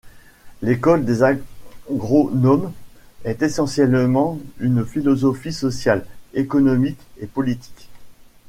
L'école des agronomes est essentiellement une philosophie sociale, économique et politique.